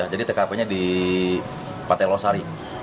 jadi tkp nya di pantai losari